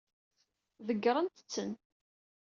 Ḍeggṛent-ten.